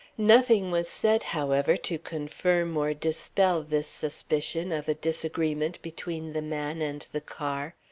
Nothing was said, however, to confirm or dispel this suspicion of a disagreement between the man and the car.